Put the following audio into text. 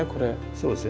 そうですね。